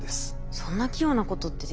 そんな器用なことってできるんですかね？